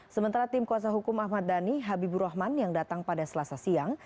sementara tim kuasa hukum ahmad dhani habibur rahman yang datang pada selasa siang